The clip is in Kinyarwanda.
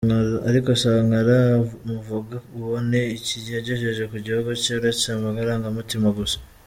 Ariko Sankara muvuga uwo ni iki yagejeje ku gihugu cye uretse amarangamutima gusa?